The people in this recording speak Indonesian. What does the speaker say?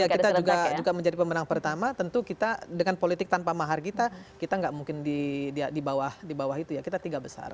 ya kita juga menjadi pemenang pertama tentu kita dengan politik tanpa mahar kita kita nggak mungkin di bawah itu ya kita tiga besar